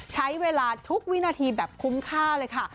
ใช้เวลาทุกวินาทีแบบคุ้มค่าเลยค่ะ